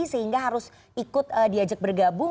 sehingga harus ikut diajak bergabung